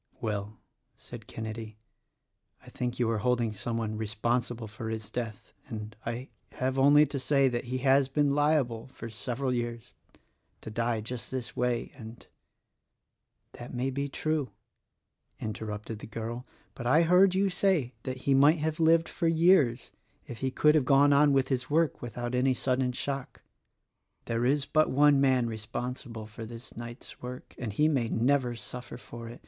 "Well," said Kenedy, "I think you are holding some one responsible for his death; and I have only to say that he has been liable — for several years — to die just this way, and —" "That may be true," interrupted the girl, "but I heard you say that he might have lived for years if he could have gone on with his work without any sudden shock. There is but one man responsible for this night's work — and he may never suffer for it.